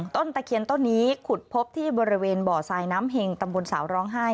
ตะเคียนต้นนี้ขุดพบที่บริเวณบ่อทรายน้ำเห็งตำบลสาวร้องไห้